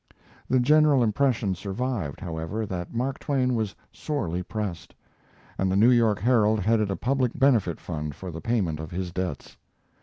The general impression survived, however, that Mark Twain was sorely pressed, and the New York Herald headed a public benefit fund for the payment of his debts.